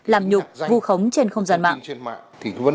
làm nhục vù khống trên không gian mạng